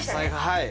はい。